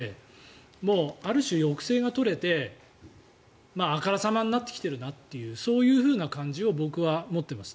戦争からも長い時間がたってしまってある種、抑制が取れてあからさまになってきているなというそういう感じを僕は持っています。